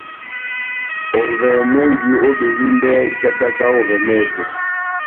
Ovɛ mwɛ́nji ó Belimbè, tátáka ovɛ mɛtɛ,